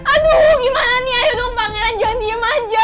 aduh gimana nih ayo dong bang erang jangan diem aja